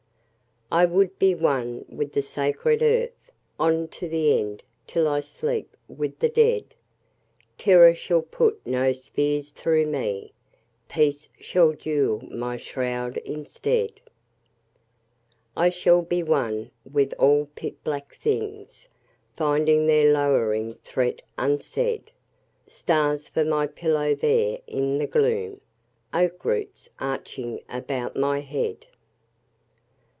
I would be one with the sacred earth On to the end, till I sleep with the dead. Terror shall put no spears through me. Peace shall jewel my shroud instead. I shall be one with all pit black things Finding their lowering threat unsaid: Stars for my pillow there in the gloom,— Oak roots arching about my head!